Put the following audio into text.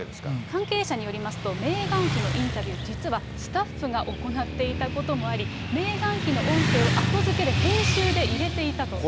関係者によりますと、メーガン妃のインタビュー、実はスタッフが行っていたこともあり、メーガン妃の音声を後づけで編集で入れていたという情報が。